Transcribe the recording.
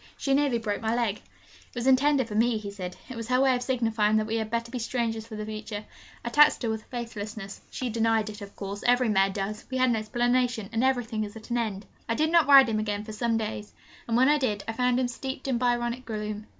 'She nearly broke my leg.' 'It was intended for me,' he said. 'It was her way of signifying that we had better be strangers for the future. I taxed her with her faithlessness; she denied it, of course every mare does; we had an explanation, and everything is at an end!' I did not ride him again for some days, and when I did, I found him steeped in Byronic gloom.